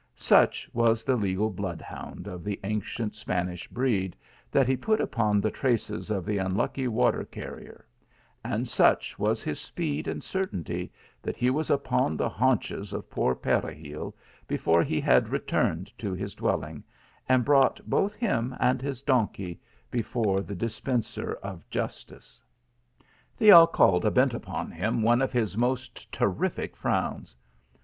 Such was the legal blood hound of the ancient Spanish breed, that he put upon the traces of the unlucky water carrier ; and such was his speed and certainty that he was upon the haunches of poor Peregil before he had returned to his dwell ing, and brought both him and his donkey before the dispenser of justice. The Alcalde bent upon him one of his m ost ter rific frowns.